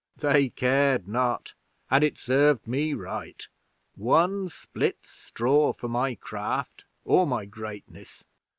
They cared not, and it served me right, one split straw for my craft or my greatness.